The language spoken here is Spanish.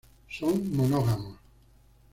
Son monógamos.